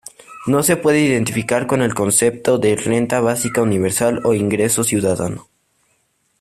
No se puede identificar con el concepto de renta básica universal o ingreso ciudadano.